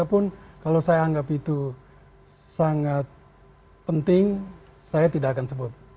walaupun kalau saya anggap itu sangat penting saya tidak akan sebut